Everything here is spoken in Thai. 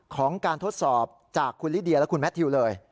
ของการทดสอบจากคุณลิเดียและคุณแมททิวเลย